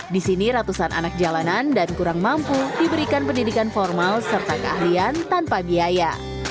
di sini ratusan anak jalanan dan kurang mampu diberikan pendidikan formal serta keahlian tanpa biaya